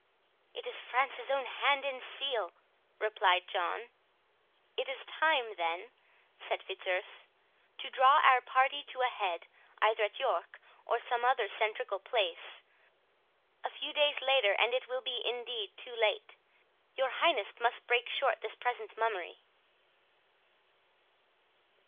"It is France's own hand and seal," replied Prince John. "It is time, then," said Fitzurse, "to draw our party to a head, either at York, or some other centrical place. A few days later, and it will be indeed too late. Your highness must break short this present mummery."